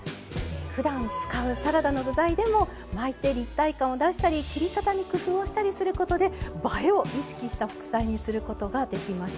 ふだん使うサラダの具材でも巻いて立体感を出したり切り方に工夫をしたりすることで映えを意識した副菜にすることができました。